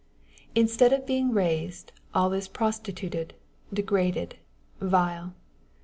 Instead of being raised, all is prostituted, degraded, vile.